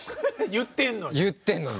言ってんのに。